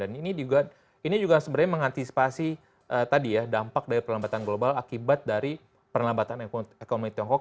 dan ini juga sebenarnya mengantisipasi tadi ya dampak dari perlambatan global akibat dari perlambatan ekonomi tiongkok